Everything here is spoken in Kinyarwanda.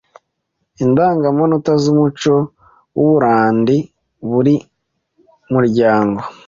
Indangamanota z’umuco w’u Burunndi buri muryango